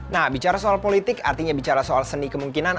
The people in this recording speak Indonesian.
nah bicara soal politik artinya bicara soal seni kemungkinan